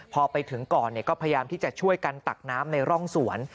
พอไปถึงก่อนก็พยายามที่จะช่วยกันตักน้ำในร่องสวน